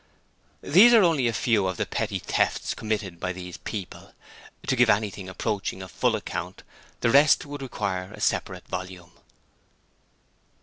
These are only a few of the petty thefts committed by these people. To give anything approaching a full account of all the rest would require a separate volume.